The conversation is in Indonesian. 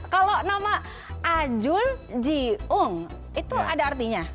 kalau nama ajul jiung itu ada artinya